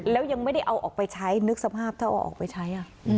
แล้วยังไม่ได้เอาออกไปใช้นึกสภาพถ้าเอาออกไปใช้